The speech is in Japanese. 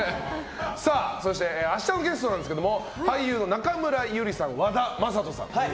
そして明日のゲストですが俳優の中村ゆりさん和田正人さん